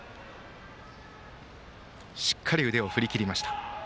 しっかり腕を振りきりました。